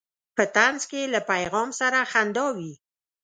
په طنز کې له پیغام سره خندا وي.